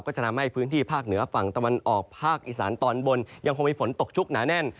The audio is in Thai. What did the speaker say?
จะทำให้พื้นที่ภาคเหนือฝั่งตะวันออกภาคอีสานตอนบนยังคงมีฝนตกชุกหนาแน่น